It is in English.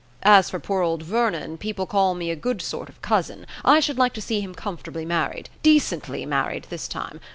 As for poor old Vernon, people call me a good sort of cousin; I should like to see him comfortably married; decently married this time.